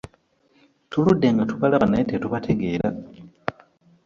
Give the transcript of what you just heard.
Tuludde nga tubalaba naye nga tetubategeera.